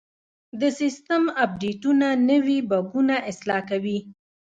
د سیسټم اپډیټونه نوي بګونه اصلاح کوي.